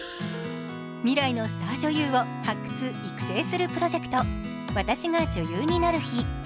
未来のスター女優を発掘育成するプロジェクト『私が女優になる日＿』。